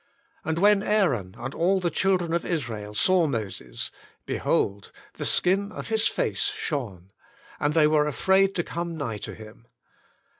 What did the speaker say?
And when Aaron and all the children of Israel saw Moses, behold, the skin of his face shone ; and they were afraid to come nigh to him.